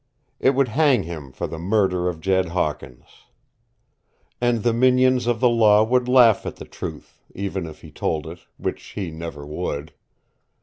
It would hang him for the murder of Jed Hawkins. And the minions of the law would laugh at the truth, even if he told it which he never would.